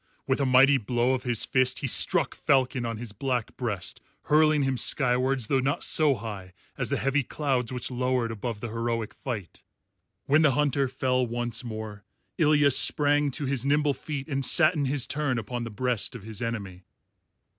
With a mighty blow of his fist he struck Falcon on his black breast, hurling him skywards, though not so high as the heavy clouds which lowered above the heroic fight. When the Hunter fell once more, Ilya sprang to his nimble feet and sat in his turn upon the breast of his enemy.